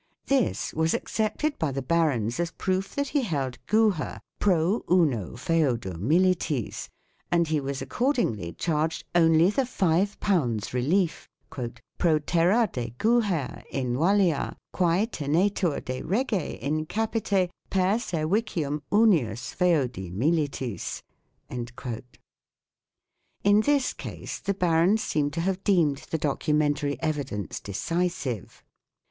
This was accepted by the barons as proof that he held " Guher " "pro uno feodo militis," and he was accordingly charged only the 5 relief "pro terra de Guher in Wallia quae tenetur de Rege in capite per servicium unius feodi militis ". In this case the barons seem to have deemed the documentary evidence decisive.